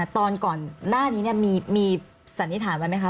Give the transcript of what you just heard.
ตอนก่อนหน้านี้มีสันนิษฐานไว้ไหมคะ